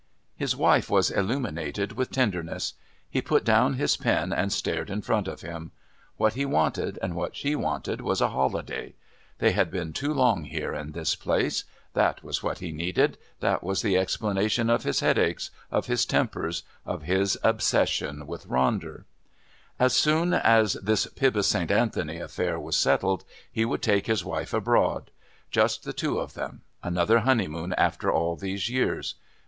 His wife was illuminated with tenderness. He put down his pen and stared in front of him. What he wanted and what she wanted was a holiday. They had been too long here in this place. That was what he needed, that was the explanation of his headaches, of his tempers, of his obsession about Ronder. As soon as this Pybus St. Anthony affair was settled he would take his wife abroad. Just the two of them. Another honeymoon after all these years.